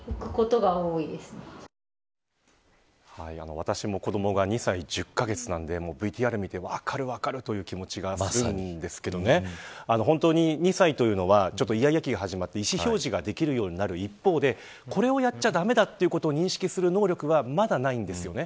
私も子どもが２歳１０カ月なのでＶＴＲを見て分かる分かるという気持ちがあるんですけど本当に、２歳というのはイヤイヤ期が始まって意思表示ができるようになる一方でこれをやっちゃ駄目だということを認識する能力はまだないんですよね。